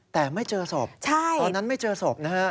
แต่ไม่เจอศพตอนนั้นไม่เจอศพนะฮะ